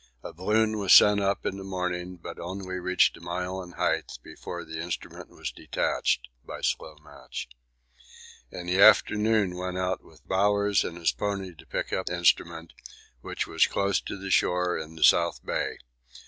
A balloon was sent up in the morning, but only reached a mile in height before the instrument was detached (by slow match). In the afternoon went out with Bowers and his pony to pick up instrument, which was close to the shore in the South Bay.